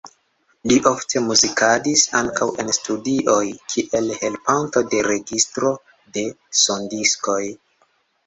Li ofte muzikadis ankaŭ en studioj, kiel helpanto de registro de sondiskoj.